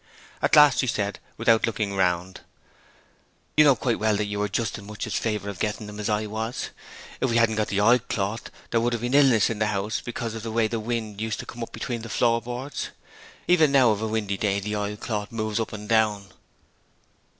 At last she said, without looking round: 'You know quite well that you were just as much in favour of getting them as I was. If we hadn't got the oilcloth there would have been illness in the house because of the way the wind used to come up between the floorboards. Even now of a windy day the oilcloth moves up and down.'